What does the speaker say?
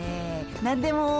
何でも。